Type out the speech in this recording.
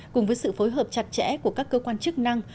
cùng với sự phối hợp chặt chẽ của các cơ quan chức năng